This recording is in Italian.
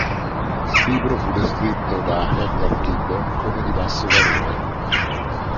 Il libro fu descritto da Edward Gibbon come di "basso valore".